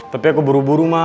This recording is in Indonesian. tapi aku buru buru mah